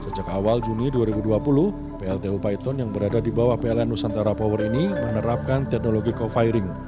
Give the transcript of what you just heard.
sejak awal juni dua ribu dua puluh pltu paiton yang berada di bawah pln nusantara power ini menerapkan teknologi co firing